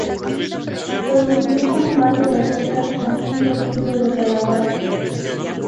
Se utiliza un vaso de azúcar común por kilo de calabazas.